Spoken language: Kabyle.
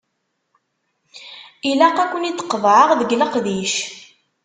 Ilaq ad ken-id-qeḍɛeɣ deg leqdic.